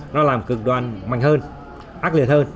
nó làm cực đoan mạnh hơn ác liệt hơn